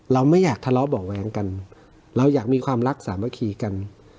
เราไม่อยากทะเลาะเบาะแว้งกันเราอยากมีความรักสามัคคีกัน